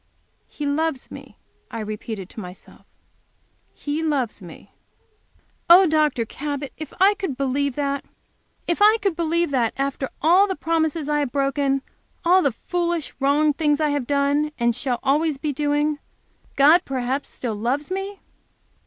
"He loves me," I repeated to myself. "He loves me! Oh, Dr. Cabot, if I could believe that! If I could believe that, after all the promises I have broken, all the foolish, wrong things I have done and shall always be doing, God perhaps still loves me!"